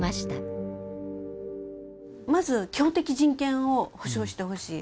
まず基本的人権を保障してほしい。